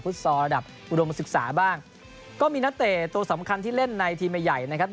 ซอลระดับอุดมศึกษาบ้างก็มีนักเตะตัวสำคัญที่เล่นในทีมใหญ่ใหญ่นะครับ